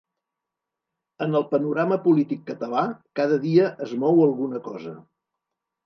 En el panorama polític català, cada dia es mou alguna cosa.